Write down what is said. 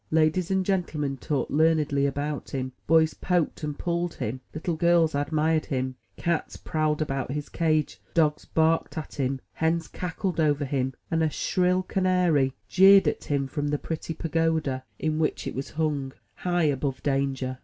Ladies and gentlemen talked learnedly about him; boys poked and pulled him; little girls admired him. Cats prowled about his cage; dogs barked at him; hens cackled over him; and a shrill canary jeered at him from the pretty pagoda MY BOOK HOUSE in which it was hung, high above danger.